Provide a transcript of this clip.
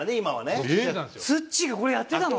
ツッチーがこれやってたの？